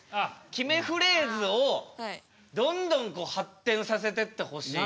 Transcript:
決めフレーズをどんどんこう発展させてってほしい。